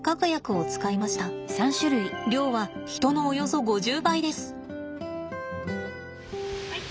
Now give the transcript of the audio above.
量は人のおよそ５０倍です。